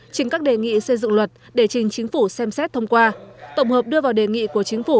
trình các đề nghị xây dựng luật để trình chính phủ xem xét thông qua tổng hợp đưa vào đề nghị của chính phủ